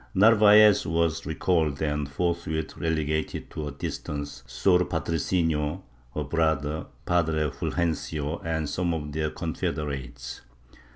Narvaez was recalled and forthwith relegated to a distance Sor Patrocinio, her brother. Padre Fulgencio and some of their confederates.